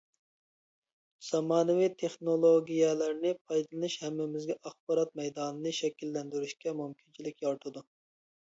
زامانىۋى تېخنولوگىيەلەرنى پايدىلىنىش ھەممىمىزگە ئاخبارات مەيدانىنى شەكىللەندۈرۈشكە مۇمكىنچىلىك يارىتىدۇ.